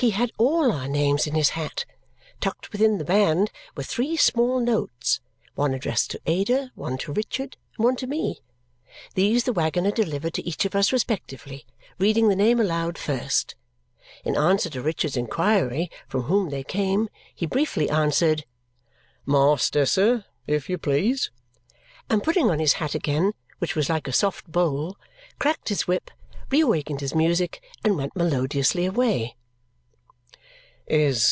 He had all our names in his hat. Tucked within the band were three small notes one addressed to Ada, one to Richard, one to me. These the waggoner delivered to each of us respectively, reading the name aloud first. In answer to Richard's inquiry from whom they came, he briefly answered, "Master, sir, if you please"; and putting on his hat again (which was like a soft bowl), cracked his whip, re awakened his music, and went melodiously away.